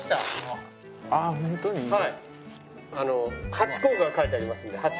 ハチ公が描いてありますんでハチ公が。